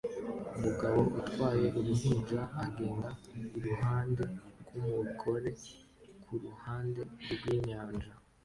Umugabo utwaye uruhinja agenda iruhande rwumugore kuruhande rwinyanja